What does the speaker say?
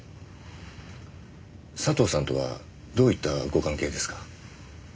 佐藤さんとはどういったご関係ですか？